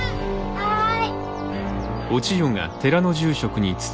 はい。